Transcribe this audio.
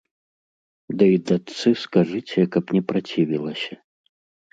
Ды і дачцы скажыце, каб не працівілася.